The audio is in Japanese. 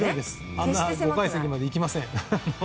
普通５階席まで行きません。